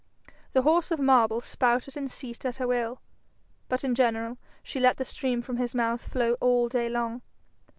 The horse of marble spouted and ceased at her will, but in general she let the stream from his mouth flow all day long.